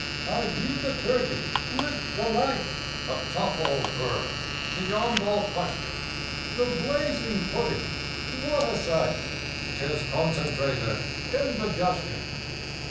) I view the turkey with delight, (A tough old bird beyond all question!) The blazing pudding what a sight! ('Tis concentrated indigestion!